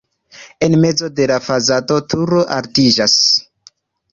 En mezo de la fasado turo altiĝas.